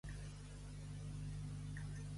Ara a Altai a quina hora estan?